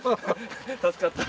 助かった。